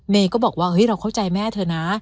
ก็บอกว่าเฮ้ยเราเข้าใจแม่เธอนะ